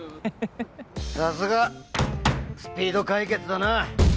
さすがスピード解決だな